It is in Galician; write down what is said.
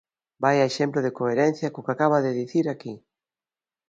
¡Vaia exemplo de coherencia co que acaba de dicir aquí!